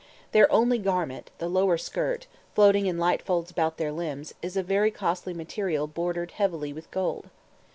Their only garment, the lower skirt, floating in light folds about their limbs, is of very costly material bordered heavily with gold.